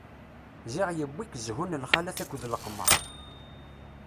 Ziɣ yewwi-k zhu n lxalat akked leqmeṛ.